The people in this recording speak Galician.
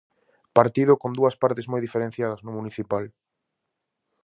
Partido con dúas partes moi diferenciadas no municipal.